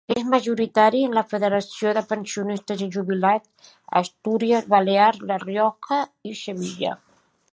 És majoritari en la Federació de Pensionistes i Jubilats, Astúries, Balears, La Rioja i Sevilla.